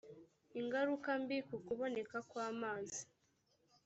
ingaruka mbi ku kuboneka kw amazi